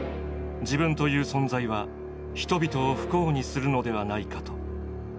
自分という存在は人々を不幸にするのではないかと。